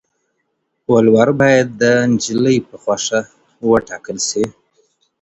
ولور بايد د نجلۍ په خوښه وټاکل سي.